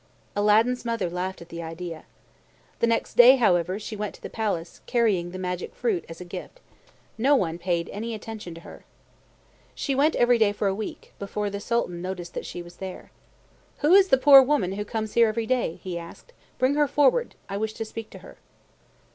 Aladdin's mother laughed at the idea. The next day, however, she went to the palace, carrying the magic fruit as a gift. No one paid any attention to her. She went every day for a week, before the Sultan noticed that she was there. "Who is the poor woman who comes here every day?" he asked. "Bring her forward. I wish to speak to her."